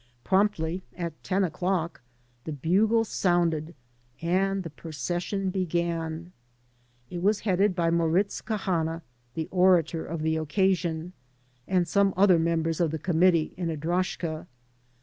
Promptly at ten o'clock the bugle sounded and the procession began. It was headed by Moritz Cahana, the orator of the occasion, and some other members of the committee in a droshka.